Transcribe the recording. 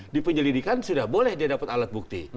di penyelidikan sudah boleh dia dapat alat bukti